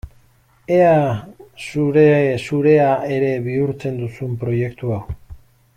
Ea zure-zurea ere bihurtzen duzun proiektu hau!